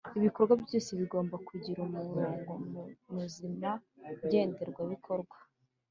Ibikorwa byose bigomba kugira umurongo muzima ngenderwahobikorwa